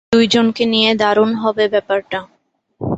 দুইজনকে নিয়ে দারুণ হবে ব্যাপারটা।